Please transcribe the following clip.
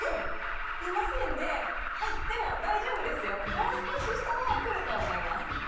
もう少ししたら来ると思います。